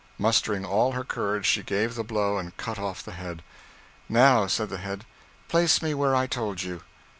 Mustering all her courage, she gave the blow and cut off the head. 'Now,' said the head, 'place me where I told you.'